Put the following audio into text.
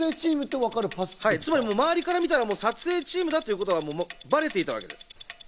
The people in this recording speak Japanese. つまり、周りから見たら撮影チームだということはバレていたわけです。